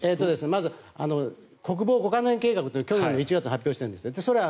まず国防五カ年計画というのを去年１月に発表してるんです。